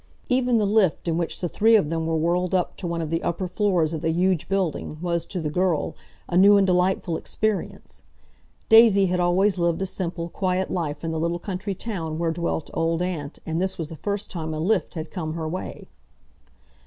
Even the lift in which the three of them were whirled up to one of the upper floors of the huge building was to the girl a new and delightful experience. Daisy had always lived a simple, quiet life in the little country town where dwelt Old Aunt and this was the first time a lift had come her way.